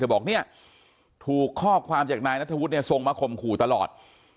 บอกเนี่ยถูกข้อความจากนายนัทธวุฒิเนี่ยส่งมาข่มขู่ตลอด